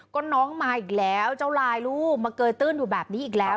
ก็น้องมาอีกแล้วเจ้าลายลูกมาเกยตื้นอยู่แบบนี้อีกแล้ว